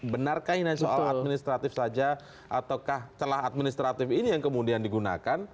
benarkah ini soal administratif saja ataukah celah administratif ini yang kemudian digunakan